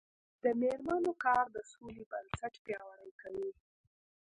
د میرمنو کار د سولې بنسټ پیاوړی کوي.